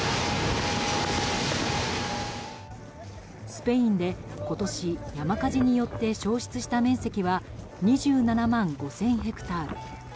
スペインで今年山火事によって焼失した面積は２７万５０００ヘクタール。